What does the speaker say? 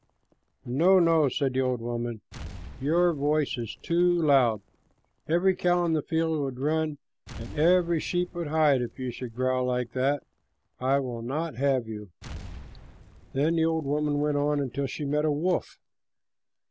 "No, no," said the old woman, "your voice is too loud. Every cow in the field would run, and every sheep would hide, if you should growl like that. I will not have you." Then the old woman went on till she met a wolf.